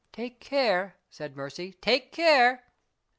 "Take care!" said Mercy. "Take care!"